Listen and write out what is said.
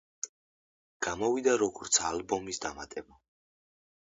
გამოვიდა, როგორც ალბომის დამატება.